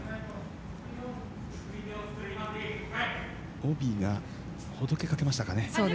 帯がほどけかけましたかね。